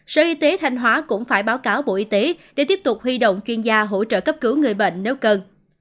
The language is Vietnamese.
sở y tế thanh hóa cũng phải báo cáo bộ y tế để tiếp tục huy động chuyên gia hỗ trợ cấp cứu người bệnh nếu cần